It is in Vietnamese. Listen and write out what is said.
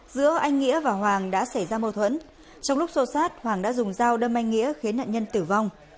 giữa anh nghĩa và hoàng đã xảy ra mâu thuẫn trong lúc xô sát hoàng đã dùng dao đâm anh nghĩa khiến nạn nhân tử vong